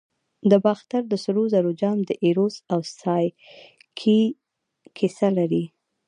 د باختر د سرو زرو جام د ایروس او سایکي کیسه لري